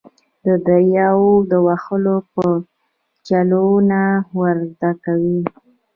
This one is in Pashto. د دریاوو د وهلو چلونه ور زده کوي.